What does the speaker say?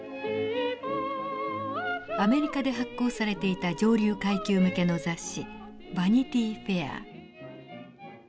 アメリカで発行されていた上流階級向けの雑誌「ヴァニティー・フェア」。